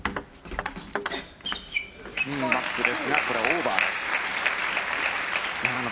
バックですがこれはオーバーです。